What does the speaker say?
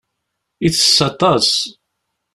Itess aṭas.